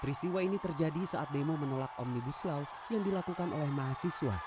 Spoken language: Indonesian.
peristiwa ini terjadi saat demo menolak omnibus law yang dilakukan oleh mahasiswa